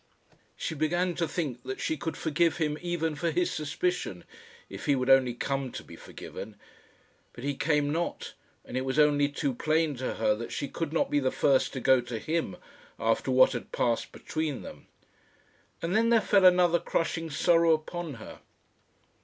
She began to think that she could forgive him, even for his suspicion, if he would only come to be forgiven. But he came not, and it was only too plain to her that she could not be the first to go to him after what had passed between them. And then there fell another crushing sorrow upon her.